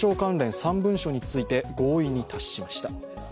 ３文書について合意に達しました。